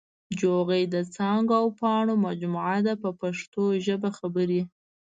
جوغې د څانګو او پاڼو مجموعه ده په پښتو ژبه خبرې.